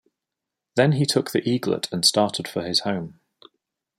Then he took the eaglet and started for his home.